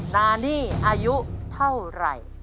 นานี่อายุเท่าไหร่